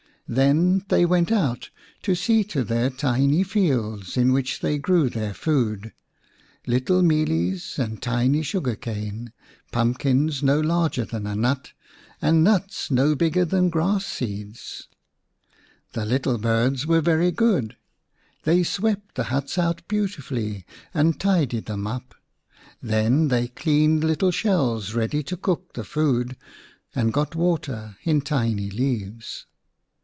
Then they went out to see to their tiny fields in which they grew their food little mealies and tiny sugar cane, pumpkins no larger than a nut, and nuts no bigger than grass seeds. The little birds were very good ; they swept 28 in The Little Birds the huts out beautifully and tidied them up. Then they cleaned little shells ready to cook the food, and got water in tiny leaves.